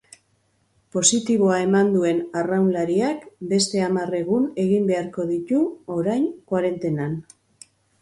Positiboa eman duen arraunlariak beste hamar egun egin beharko ditu orain koarentenan.